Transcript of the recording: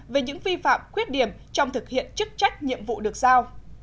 về những vi phạm khuyết điểm trong thực hiện chức trách nhiệm vụ được giao